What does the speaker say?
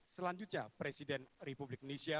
selanjutnya presiden republik indonesia